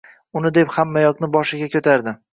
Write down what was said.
Uni deb hammayoqni boshiga koʻtardi